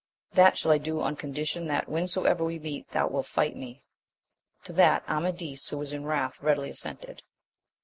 — That shall I do on condition that whensoever we meet thou wilt fight me. To that Amadis, who was in wrath, readily assented.